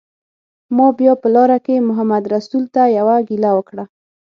ما بیا په لاره کې محمدرسول ته یوه ګیله وکړه.